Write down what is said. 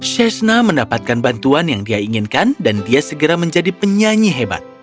sheshna mendapatkan bantuan yang dia inginkan dan dia segera menjadi penyanyi hebat